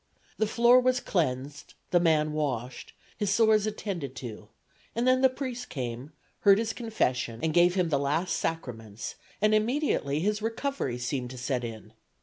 The floor was cleansed, the man washed, his sores attended to, and then the priest came, heard his confession and gave him the last Sacraments, and immediately his recovery seemed to set in.